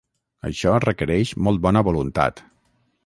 Això requereix molt bona voluntat.